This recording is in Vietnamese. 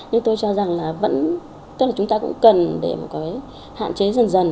nhưng tôi cho rằng là vẫn tức là chúng ta cũng cần để một cái hạn chế dần dần